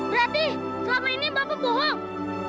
berarti selama ini bapak bohong